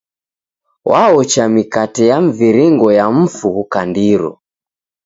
W'aocha mikate ya mviringo ya mfu ghukandiro.